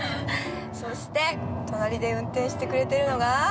そして、隣で運転してくれてるのが◆